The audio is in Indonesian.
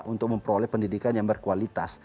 untuk memperoleh pendidikan yang berkualitas